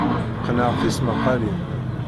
Qqneɣ tismaqqalin.